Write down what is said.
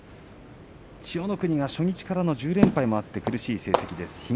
千代の国が初日からの１０連敗もあって苦しい成績です。